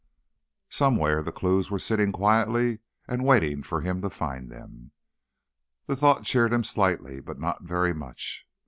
Somewhere, the clues were sitting quietly and waiting for him to find them. The thought cheered him slightly, but not very much.